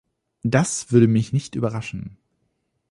Das würde mich nicht überraschen!